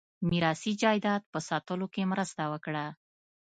میراثي جایداد په ساتلو کې مرسته وکړه.